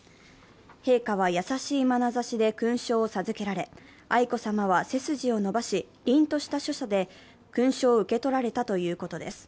陛下は優しいまなざしで勲章を授けられ、愛子さまは背筋を伸ばし、りんとした所作で勲章を受け取られたということです。